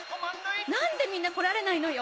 何でみんな来られないのよ！